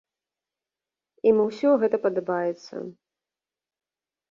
Ім усё гэта падабаецца.